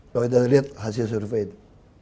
kalau kita lihat hasil survei itu